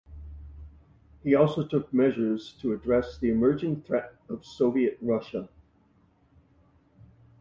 He also took measures to address the emerging threat of Soviet Russia.